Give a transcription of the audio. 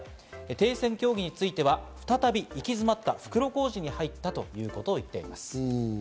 停戦協議については再び行き詰まった袋小路に入ったということを言っています。